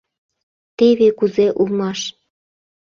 — Теве кузе улмаш.